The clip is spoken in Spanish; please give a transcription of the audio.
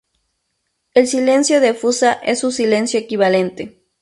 El silencio de fusa es su silencio equivalente.